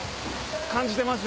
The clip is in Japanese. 感じてます？